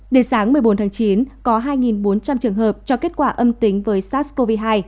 đến sáng một mươi bốn tháng chín có hai bốn trăm linh trường hợp cho kết quả âm tính với sars cov hai